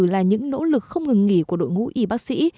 là những nỗ lực không ngừng nghỉ của đội ngũ y bác sĩ